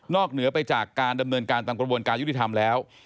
เหนือไปจากการดำเนินการตามกระบวนการยุติธรรมแล้ว